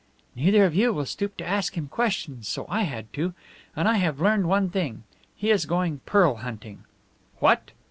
"Neither of you will stoop to ask him questions, so I had to. And I have learned one thing. He is going pearl hunting." "What?